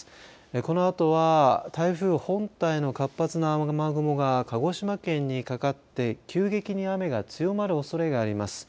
このあとは台風本体の活発な雨雲が鹿児島県にかかって急激に雨が強まるおそれがあります。